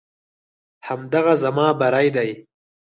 همدغه زما بری دی.